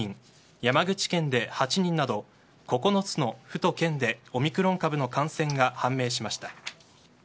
山口県で８人など９つの府と県でオミクロン株の感染が判明しました。